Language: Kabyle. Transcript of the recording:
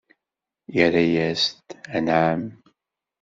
Irra-yas-d: Anɛam!